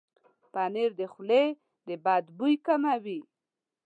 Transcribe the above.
پنېر د خولې د بد بوي کموي.